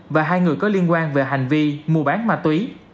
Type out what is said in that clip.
và hai người có liên quan về hành vi mua bán ma túy